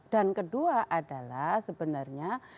dan kedua adalah sebenarnya